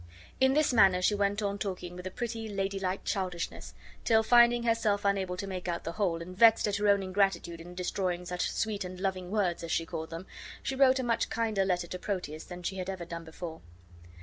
In this manner she went on talking with a pretty, ladylike childishness, till, finding herself unable to make out the whole, and vexed at her own ingratitude in destroying such sweet and loving words, as she called them, she wrote a much kinder letter to Proteus than she had ever done before.